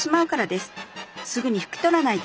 すぐに拭き取らないと。